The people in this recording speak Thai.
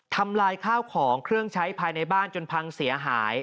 ทำลายข้าวของเครื่องใช้ภายในบ้านจนพังเสียหาย